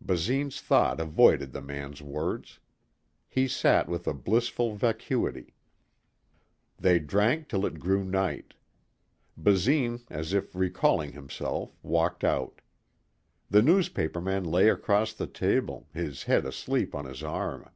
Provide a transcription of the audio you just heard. Basine's thought avoided the man's words. He sat with a blissful vacuity. They drank till it grew night. Basine, as if recalling himself, walked out. The newspaperman lay across the table, his head asleep on his arm.